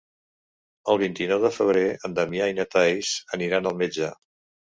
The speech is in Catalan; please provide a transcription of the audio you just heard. El vint-i-nou de febrer en Damià i na Thaís aniran al metge.